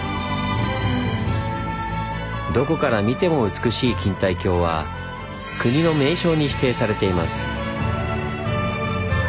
どこから見ても美しい錦帯橋は国の名勝に指定されています。